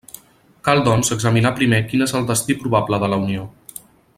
Cal, doncs, examinar primer quin és el destí probable de la Unió.